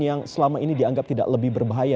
yang dianggap tidak lebih berbahaya